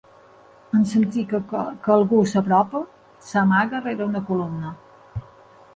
En sentir que algú s'apropa, s'amaga rere una columna.